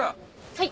はい。